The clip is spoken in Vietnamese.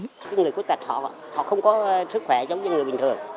những người khuyết tật họ họ không có sức khỏe giống như người bình thường